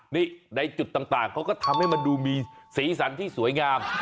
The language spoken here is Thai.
นี่ในจุดต่างเขาก็ทำให้มันดูมีสีสันที่สวยงาม